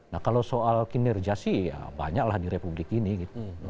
nah kalau soal kinerja sih ya banyaklah di republik ini gitu